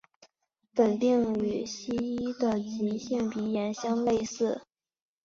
本病与西医的急性鼻炎相类似。